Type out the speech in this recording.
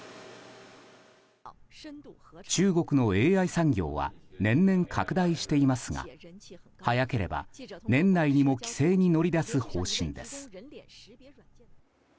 中国のＡＩ産業は年々拡大していますが早ければ年内にも規制に乗り出す方針です。